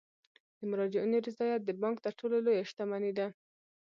د مراجعینو رضایت د بانک تر ټولو لویه شتمني ده.